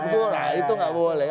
itu lah itu nggak boleh